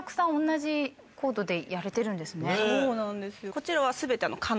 こちらは。